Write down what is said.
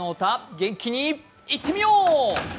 元気にいってみよう！